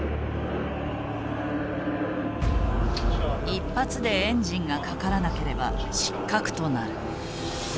一発でエンジンがかからなければ失格となる。